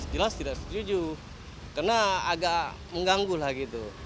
jelas tidak setuju karena agak mengganggu lah gitu